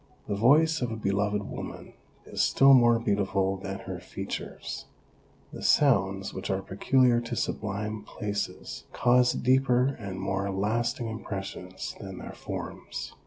The voice of a beloved woman is still more beautiful than her features ; the sounds which are peculiar to sublime places cause deeper and more lasting impressions than their forms.